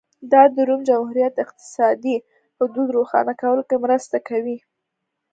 دا د روم جمهوریت اقتصادي حدود روښانه کولو کې مرسته کوي